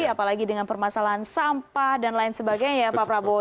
apalagi dengan permasalahan sampah dan lain sebagainya ya pak prabowo